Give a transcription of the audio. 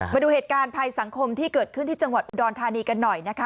มาดูเหตุการณ์ภัยสังคมที่เกิดขึ้นที่จังหวัดอุดรธานีกันหน่อยนะคะ